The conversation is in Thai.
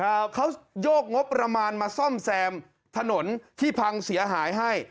อ่าเขาโยกงบประมาณมาซ่อมแซมถนนที่พังเสียหายให้